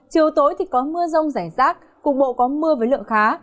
chiều tối thì có mưa rông rải rác cục bộ có mưa với lượng khá